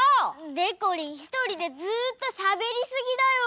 でこりんひとりでずっとしゃべりすぎだよ。